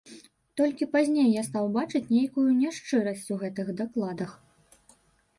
Толькі пазней я стаў бачыць нейкую няшчырасць у гэтых дакладах.